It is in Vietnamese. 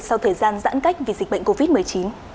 sau thời gian giãn cách vì dịch bệnh covid một mươi chín